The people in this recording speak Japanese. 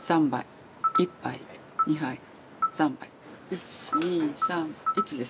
１２３１ですね。